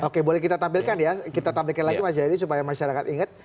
oke boleh kita tampilkan ya kita tampilkan lagi mas jayadi supaya masyarakat inget